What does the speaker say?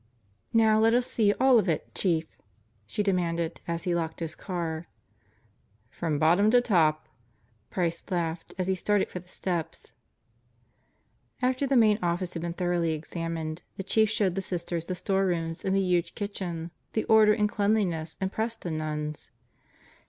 "Now let us see all of it, Chief," she demanded as he locked his car. "From bottom to top." Price laughed as he started for the steps. After the main office had been thoroughly examined, the Chief showed the Sisters the storerooms and the huge kitchen. The order and cleanliness impressed the nuns.